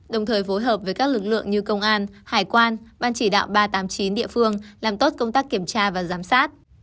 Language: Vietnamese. đồng thời phối hợp với các lực lượng như công an hải quan ban chỉ đạo ba trăm tám mươi chín địa phương làm tốt công tác kiểm tra và giám sát